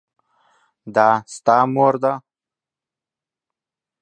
دا ستا مور ده ؟